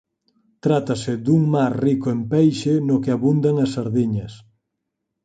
Trátase dun mar rico en peixe no que abundan as sardiñas.